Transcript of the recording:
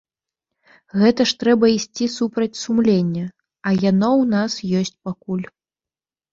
Гэта ж трэба ісці супраць сумлення, а яно ў нас ёсць пакуль.